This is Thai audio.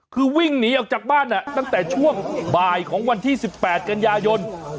คือวิ่งหนีออกจากบ้านตั้งแต่ช่วงบ่ายของวันที่๑๘กันยายน